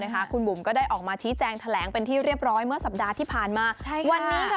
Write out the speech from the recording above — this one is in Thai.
กันได้ออกมาชี้แจงแถลงเป็นที่เรียบร้อยเมื่อสัปดาห์ที่ผ่านมาใช้วันนี้คะ